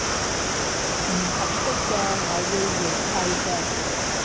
唔合適嘅，我會回饋嘅